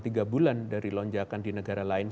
tiga bulan dari lonjakan di negara lain